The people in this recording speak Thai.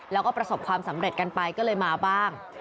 แล้วก็ประสบความสำเร็จกันไปก็เลยมาบ้าง